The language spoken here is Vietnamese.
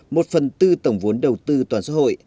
một phần tư tổng vốn đầu tư toàn xã hội